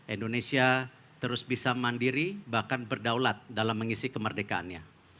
indonesia terus bisa mandiri bahkan berdaulat dalam mengisi kemerdekaannya